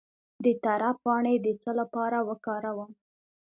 د تره پاڼې د څه لپاره وکاروم؟